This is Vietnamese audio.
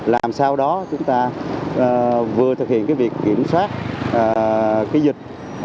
làm sao đó chúng ta vừa thực hiện việc kiểm soát dịch